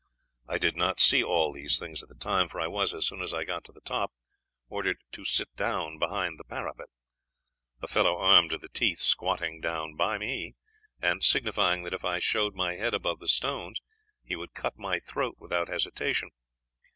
I did not see all these things at the time, for I was, as soon as I got to the top, ordered to sit down behind the parapet, a fellow armed to the teeth squatting down by me, and signifying that if I showed my head above the stones he would cut my throat without hesitation.